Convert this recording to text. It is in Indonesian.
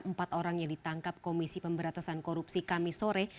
empat orang yang ditangkap komisi pemberatasan korupsi kami sore